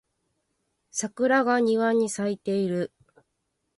桜が庭に咲いている